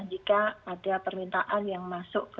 jika ada permintaan yang masuk ke